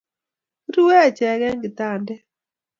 Kirue ache eng kitandet